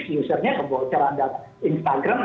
china juga banyak mengalami kebocoran data